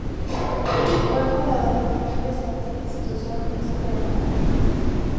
Fue el fundador y primer presidente de la Institución "Príncipe de Viana".